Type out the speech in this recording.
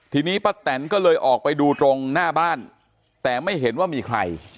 ทีนี้ป้าแตนก็เลยออกไปดูตรงหน้าบ้านแต่ไม่เห็นว่ามีใคร